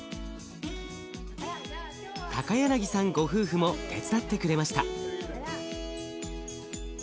高柳さんご夫婦も手伝ってくれました。